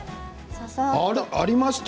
ありました